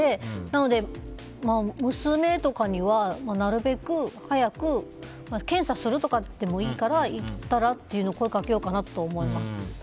なので、娘とかにはなるべく早く検査するとかでもいいから行ったら？と声をかけようかなと思います。